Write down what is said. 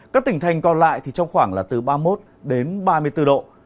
các tỉnh thành còn lại thì trong khoảng là từ ba mươi một đến ba mươi bốn độ